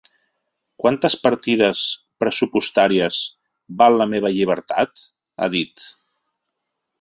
Quantes partides pressupostàries val la meva llibertat?, ha dit.